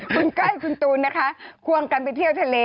คุณก้อยคุณตูนนะคะควงกันไปเที่ยวทะเล